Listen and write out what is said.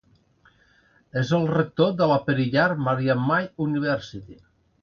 És el rector de la Periyar Maniammai University.